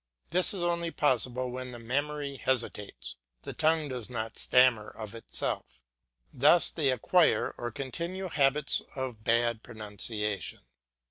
This is only possible when the memory hesitates, the tongue does not stammer of itself. Thus they acquire or continue habits of bad pronunciation.